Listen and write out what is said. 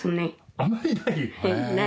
あまりない？